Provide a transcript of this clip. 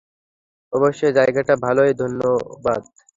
অবশ্যই - জায়গাটা ভালোই - ধন্যবাদ।